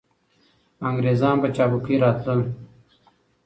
انګریزان په چابکۍ راتلل.